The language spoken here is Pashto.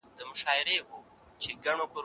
که وخت وي درسونه اورم